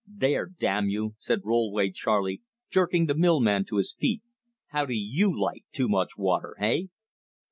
"There, damn you!" said Rollway Charley, jerking the millman to his feet. "How do YOU like too much water? hey?"